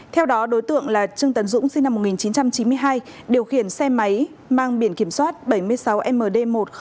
theo đó đối tượng là trương tấn dũng sinh năm một nghìn chín trăm chín mươi hai điều khiển xe máy mang biển kiểm soát bảy mươi sáu md một nghìn chín trăm bảy mươi